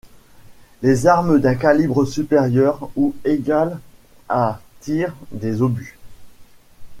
Les armes d'un calibre supérieur ou égal à tirent des obus.